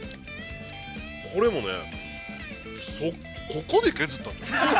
これもね、ここで削った。